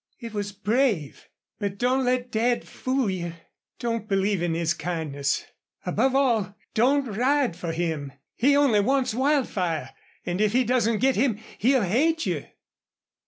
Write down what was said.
"It was brave.... But don't let dad fool you. Don't believe in his kindness. Above all, don't ride for him! He only wants Wildfire, and if he doesn't get him he'll hate you!"